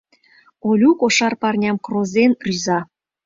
— Олю кошар парням крозен рӱза.